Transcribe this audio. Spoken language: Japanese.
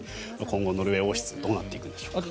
今後、ノルウェー王室どうなっていくのでしょうか。